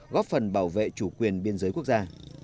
góp phần bảo vệ chủ quyền biên giới quốc gia